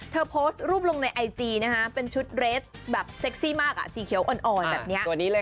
โพสต์รูปลงในไอจีนะคะเป็นชุดเรสแบบเซ็กซี่มากสีเขียวอ่อนแบบนี้